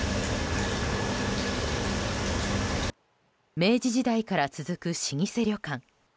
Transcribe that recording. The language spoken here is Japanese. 明治時代から続く老舗旅館。